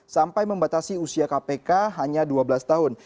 sampai membatasi usia kpk hanya dua belas tahun